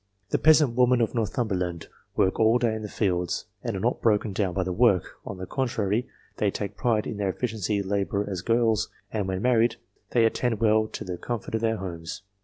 The peasant women of Northumberland work all day in the fields, and are not broken down by the work ; on the contrary they take a pride in their effec tive labour as girls, and, when married, they attend well to the comfort of their homes.